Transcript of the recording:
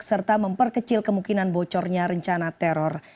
serta memperkecil kemungkinan bocornya rencana teror